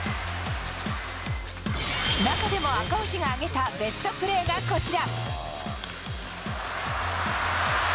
中でも赤星が挙げたベストプレーが、こちら。